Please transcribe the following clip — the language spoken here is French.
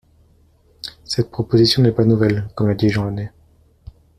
Cette proposition n’est pas nouvelle, comme l’a dit Jean Launay.